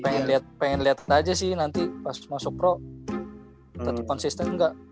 pengen liat liat aja sih nanti pas masuk pro tetep konsisten gak